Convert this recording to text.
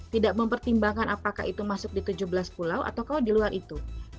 tidak mempertimbangkan apakah itu masuk di tujuh belas pulau atau kalau di luar itu